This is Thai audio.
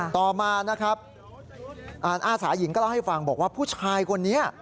ต่อมานะครับอาสาหญิงก็เล่าให้ฟังบอกว่าผู้ชายคนนี้